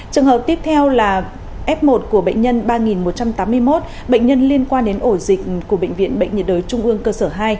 trường hợp tiếp theo là f một của bệnh nhân ba một trăm tám mươi một bệnh nhân liên quan đến ổ dịch của bệnh viện bệnh nhiệt đới trung ương cơ sở hai